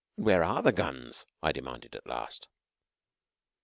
"And where are the guns?" I demanded at last.